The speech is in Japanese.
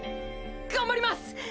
頑張ります！